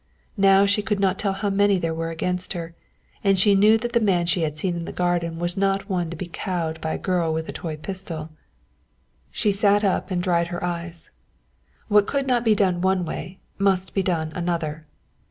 Now, she could not tell how many there were against her, and she knew that the man she had seen in the garden was not one to be cowed by a girl with a toy pistol. She sat up and dried her eyes. What could not be done one way, must be done another.